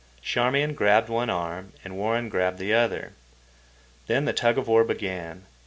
Charmian grabbed one arm and Warren grabbed the other. Then the tug of war began.